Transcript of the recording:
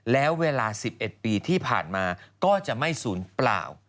แล้วเวลา๑๑ปีที่ผ่านมาก็จะไม่ศูนย์เปล่า